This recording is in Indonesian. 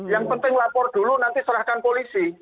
yang penting lapor dulu nanti serahkan polisi